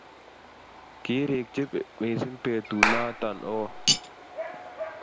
kirikchi mising betut noto oo